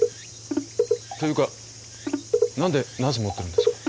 っていうか何でナス持ってるんですか？